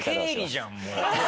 経理じゃんもう。